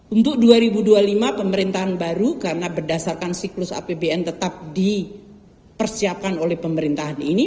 untuk dua ribu dua puluh lima pemerintahan baru karena berdasarkan siklus apbn tetap dipersiapkan oleh pemerintahan ini